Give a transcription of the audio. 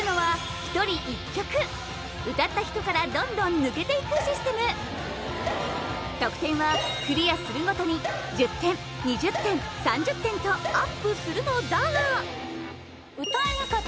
歌った人からどんどん抜けていくシステム得点はクリアするごとに１０点２０点３０点とＵＰするのだが歌えなかった